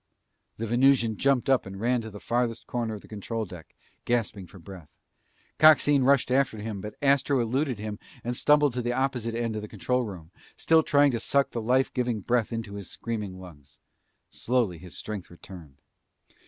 The Venusian jumped up and ran to the farthest corner of the control deck, gasping for breath. Coxine rushed after him, but Astro eluded him and stumbled to the opposite end of the control room, still trying to suck the life giving breath into his screaming lungs. Slowly his strength returned.